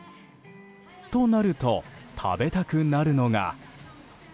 となると、食べたくなるのが。